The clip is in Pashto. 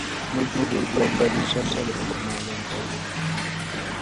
نه دي دوبی نه دي ژمی در معلوم دی